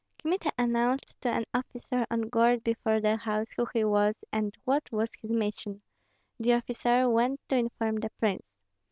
Kmita announced to an officer on guard before the house who he was and what was his mission; the officer went to inform the prince.